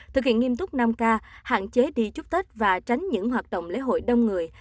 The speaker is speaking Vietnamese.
thực hiện nghiêm túc năm k hạn chế đi chúc tết và tránh những hoạt động lễ hội đông người